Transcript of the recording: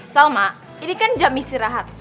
salma ini kan jam istirahat